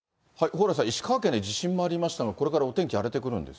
蓬莱さん、石川県で地震もありましたけど、これからお天気荒れてくるんです